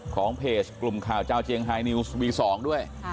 ของเพจกลุ่มข่าวเจ้าเจียงไฮนิวส์วี๒ด้วย